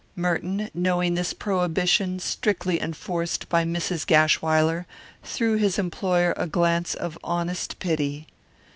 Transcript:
Merton, knowing this prohibition, strictly enforced by Mrs. Gashwiler, threw his employer a glance of honest pity.